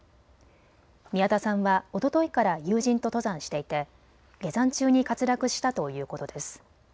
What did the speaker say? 宮田さんはおとといから友人と登山していて下山中に滑落したということです。